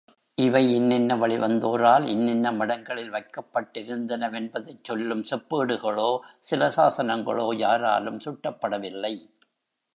இவை இன்னின்ன வழிவந்தோரால் இன்னின்ன மடங்களில் வைக்கப்பட்டிருந்தனவென்பதைச் சொல்லும் செப்பேடுகளோ சிலாசாஸனங்களோ யாராலும் சுட்டப்படவில்லை.